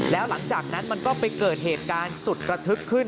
แล้วหลังจากนั้นมันก็ไปเกิดเหตุการณ์สุดระทึกขึ้น